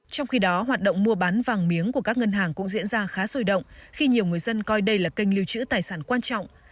trong khi đó hoạt động mua bán vàng miếng của các ngân hàng cũng diễn ra khá sôi động khi nhiều người dân coi đây là kênh lưu trữ tài sản quan trọng